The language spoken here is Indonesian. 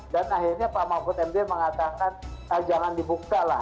dan akhirnya pak mahfud md mengatakan jangan dibuka lah